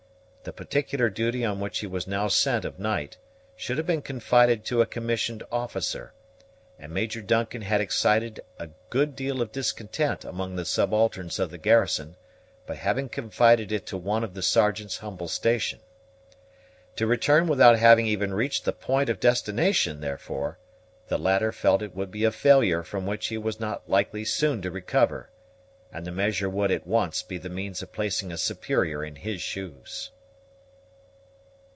The particular duty on which he was now sent of right should have been confided to a commissioned officer; and Major Duncan had excited a good deal of discontent among the subalterns of the garrison, by having confided it to one of the Sergeant's humble station. To return without having even reached the point of destination, therefore, the latter felt would be a failure from which he was not likely soon to recover, and the measure would at once be the means of placing a superior in his shoes.